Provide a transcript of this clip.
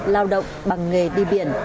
lao động bằng nghề đi biển